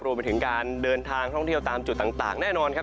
รวมไปถึงการเดินทางท่องเที่ยวตามจุดต่างแน่นอนครับ